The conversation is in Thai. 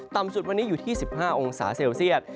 ต่ำสุดวันนี้อยู่ที่๑๕องศาเซลเซียต